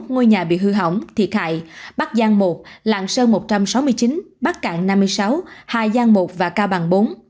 hai trăm ba mươi một ngôi nhà bị hư hỏng thiệt hại bắc giang một lạng sơn một trăm sáu mươi chín bắc cạn năm mươi sáu hà giang một và cao bằng bốn